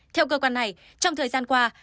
theo cơ quan này trong thời gian qua